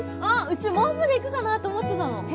あっうちもうすぐ行くかなと思ってたの！